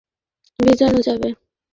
হ্যাঁ, একটু পানি পেলে গলাটা ভেজানো যাবে!